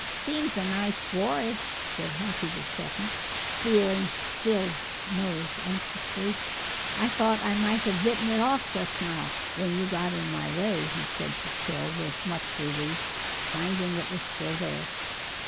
"Seems a nice boy," said Hackee the Second, feeling Phil's nose anxiously. "I thought I might have bitten it off just now when you got in my way," he said to Phil with much relief, finding it was still there.